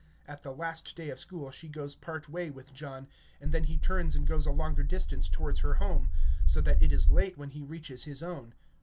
At the last day of school she goes part way with John, and then he turns and goes a longer distance towards her home, so that it is late when he reaches his own.